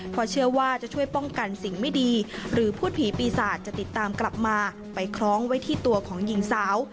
เพราะเชื่อว่าจะช่วยป้องกันสิ่งไม่ดีหรือพูดผีปีศาจจะติดตามกลับมาไปคล้องไว้ที่ตัวของหญิงสาว